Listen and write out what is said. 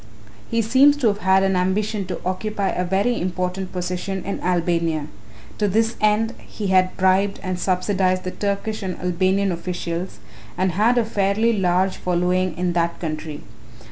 "He seems to have had an ambition to occupy a very important position in Albania. To this end he had bribed and subsidized the Turkish and Albanian officials and had a fairly large following in that country.